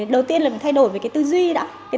đầu tiên là mình thay đổi về tư duy